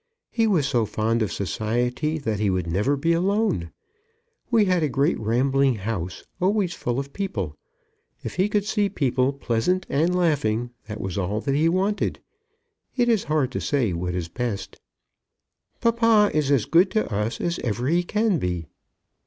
He was so fond of society that he would never be alone. We had a great rambling house, always full of people. If he could see people pleasant and laughing, that was all that he wanted. It is hard to say what is best." "Papa is as good to us as ever he can be."